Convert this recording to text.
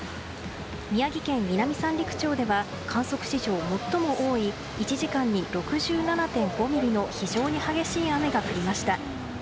宮城県南三陸町では観測史上最も多い１時間に６７．５ミリの非常に激しい雨が降りました。